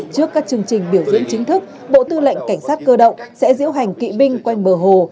trước các chương trình biểu diễn chính thức bộ tư lệnh cảnh sát cơ động sẽ diễu hành kỵ binh quanh bờ hồ